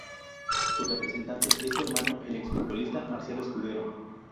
Su representante es su hermano, el ex futbolista Marcelo Escudero.